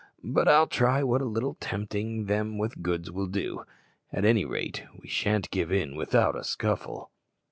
But I'll try what a little tempting them with goods will do. At any rate, we shan't give in without a scuffle."